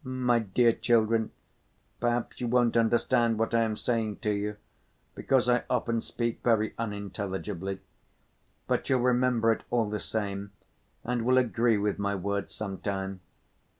My dear children, perhaps you won't understand what I am saying to you, because I often speak very unintelligibly, but you'll remember it all the same and will agree with my words some time.